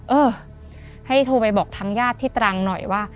เออให้โทรไปบอกทางญาติที่ตรังหน่อยว่า